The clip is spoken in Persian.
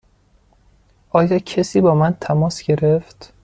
آیا کسی با من تماس گرفت؟